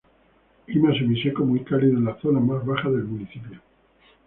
Clima semiseco muy cálido en las zonas más bajas del municipio.